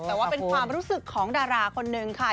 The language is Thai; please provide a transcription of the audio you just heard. แต่ว่าเป็นความรู้สึกของดาราคนนึงค่ะ